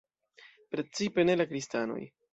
Precipe ne la kristanoj.